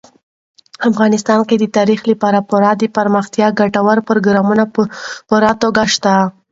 افغانستان کې د تاریخ لپاره پوره دپرمختیا ګټور پروګرامونه په پوره توګه شته دي.